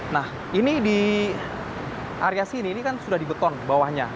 nah ini di area sini ini kan sudah di beton bawahnya